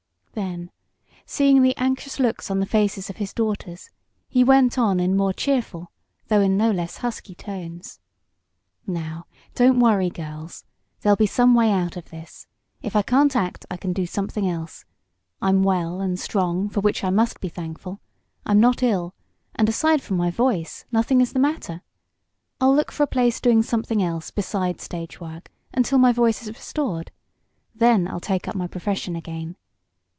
Then, seeing the anxious looks on the faces of his daughters, he went on, in more cheerful, though in no less husky tones: "Now don't worry, girls. There'll be some way out of this. If I can't act I can do something else. I'm well and strong, for which I must be thankful. I'm not ill and, aside from my voice, nothing is the matter. I'll look for a place doing something else beside stage work, until my voice is restored. Then I'll take up my profession again.